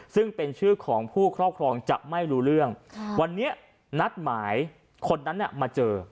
ซึ่งเป็นชื่อของผู้ครอบครองจะไม่รู้เรื่องวันนี้นัดหมายคนนั้นมาเจอ